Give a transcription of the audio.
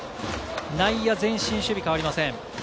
内野前進守備、変わりません。